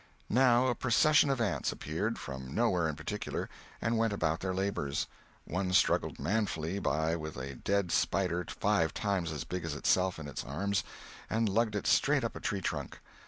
Now a procession of ants appeared, from nowhere in particular, and went about their labors; one struggled manfully by with a dead spider five times as big as itself in its arms, and lugged it straight up a tree trunk.